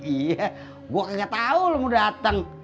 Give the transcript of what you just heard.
iya gue kagak tau lo mau dateng